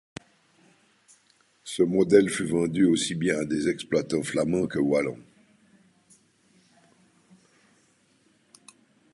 Ce modèle fut vendu aussi bien à des exploitants flamands que wallons.